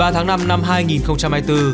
một mươi ba tháng năm năm hai nghìn hai mươi bốn